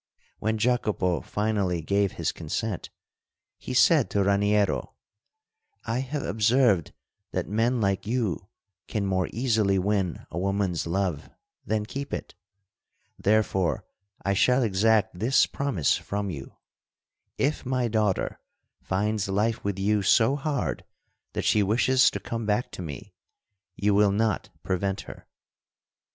When Jacopo finally gave his consent, he said to Raniero: "I have observed that men like you can more easily win a woman's love than keep it; therefore I shall exact this promise from you: If my daughter finds life with you so hard that she wishes to come back to me, you will not prevent her."